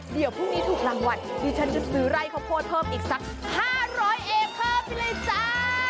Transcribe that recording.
เดี๋ยวพรุ่งนี้ถูกรางวัลดิฉันจะซื้อไร่ข้าวโพดเพิ่มอีกสัก๕๐๐เอเพิ่มไปเลยจ้า